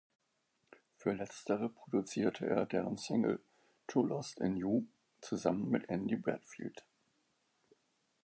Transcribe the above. Für Letztere produzierte er deren Single "Too Lost In You" zusammen mit Andy Bradfield.